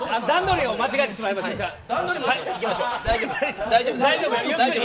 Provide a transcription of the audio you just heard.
段取りを間違えてしまいました。